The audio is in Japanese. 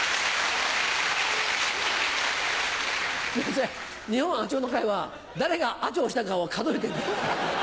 それ日本アチョの会は誰がアチョしたかを数えてんの？